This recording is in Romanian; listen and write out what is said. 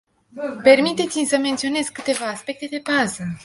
Permiteți-mi să menționez câteva aspecte de bază.